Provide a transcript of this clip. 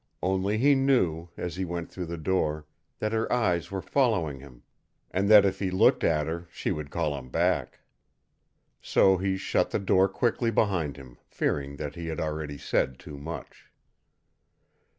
Only he knew, as he went through the door, that her eyes were following him, and that if he looked at her she would call him back. So he shut the door quickly behind him, fearing that he had already said too much.